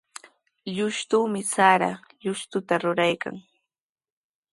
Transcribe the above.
Llushumi sara llushtuta ruraykan.